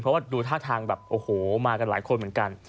เพราะว่าดูท่าทางแบบโอ้โหมากันหลายคนเหมือนกัน